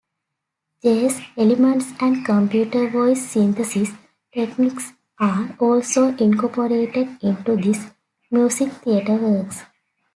Jazz elements and computer voice synthesis techniques are also incorporated into his music-theater works.